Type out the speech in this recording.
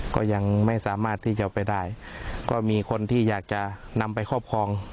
ก็ยังไม่สามารถที่จะไปได้ก็มีคนที่อยากจะนำไปครอบครอง